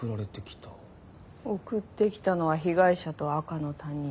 送ってきたのは被害者と赤の他人。